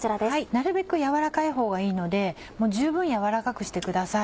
なるべく軟らかいほうがいいので十分軟らかくしてください。